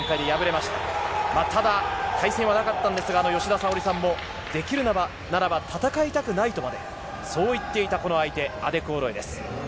また対戦はなかったんですが吉田沙保里さんもできるならば戦いたくないとまで、そう言っていた相手アデクオロエです。